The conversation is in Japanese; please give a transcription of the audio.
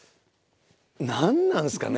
何なんですかね？